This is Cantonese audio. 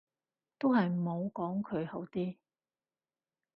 都係唔好講佢好啲